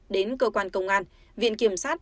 đến cơ quan công an viện kiểm sát